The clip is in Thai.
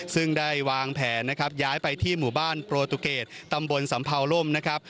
ซึ่งได้วางแผนนะครับย้ายไปที่หมู่บ้านโปรตุเกตตำบลสำเภาล่มนะครับ